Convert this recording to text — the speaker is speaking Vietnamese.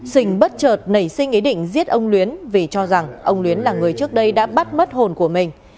sình bất trợt nảy sinh ý định giết ông luyến vì cho rằng ông luyến là người trước đây đã bắt mất hồn của mình